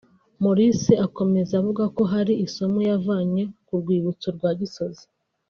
Maurer akomeza avuga ko hari isomo yavanye ku rwibutso rwa Gisozi